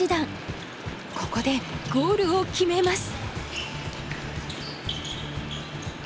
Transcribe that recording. ここでゴールを決めます。